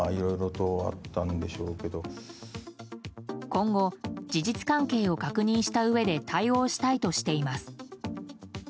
今後事実関係を確認したうえで対応したいとしています。